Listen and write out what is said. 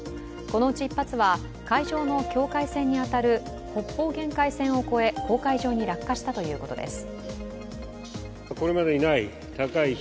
このうち１発は海上の境界線に当たる北方限界線を越え公海上に落下したということです。